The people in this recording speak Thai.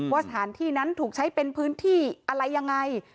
สถานที่นั้นถูกใช้เป็นพื้นที่อะไรยังไง